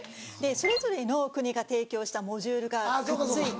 それぞれの国が提供したモジュールがくっついて。